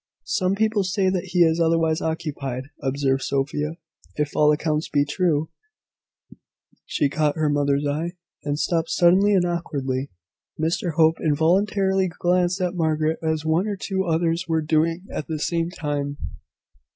"Some people say that he is otherwise occupied," observed Sophia, "If all accounts be true " She caught her mother's eye, and stopped suddenly and awkwardly. Mr Hope involuntarily glanced at Margaret, as one or two others were doing at the same time.